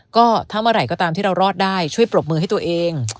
ก็ถ้าเมื่อไหร่ก็ตามที่เรารอดได้ช่วยปรบมือให้ตัวเอง